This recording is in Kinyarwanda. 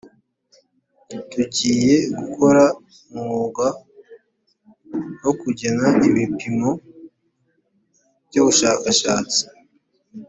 tugiye gukora umwuga wo kugena ibipimo byubushakashatsi